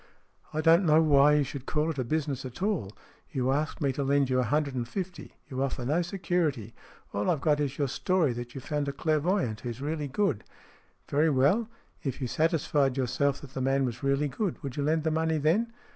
" I don't know why you should call it business at all. You ask me to lend you a hundred and fifty. You offer no security. All I've got is your story that you've found a clairvoyant who's really good." "Very well. If you satisfied yourself that the man was really good, would you lend the money then?"